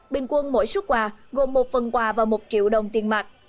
bình quân mỗi xuất quà gồm một phần quà và một triệu đồng tiền mạc